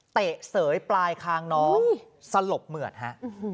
เสยปลายคางน้องสลบเหมือดฮะ